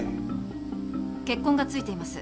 血痕がついています。